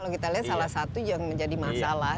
kalau kita lihat salah satu yang menjadi masalah